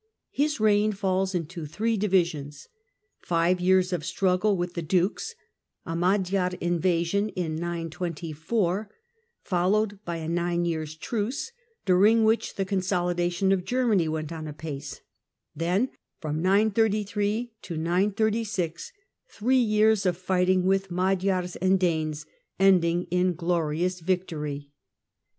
His reign falls into three divisions — five years of struggle with the dukes ; a Magyar invasion in 924, followed by a nine years' truce, during which the consolidation of Germany went on apace; then, from 933 to 936, three years of fighting with Magyars and Danes, ending in glorious victory.